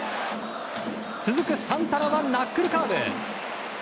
続くサンタナはナックルカーブ。